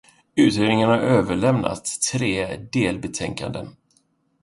Utredningen har överlämnat tre delbetänkanden.